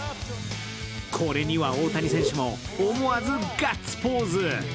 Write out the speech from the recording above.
これには大谷選手も思わずガッツポーズ。